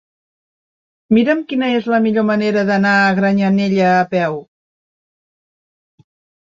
Mira'm quina és la millor manera d'anar a Granyanella a peu.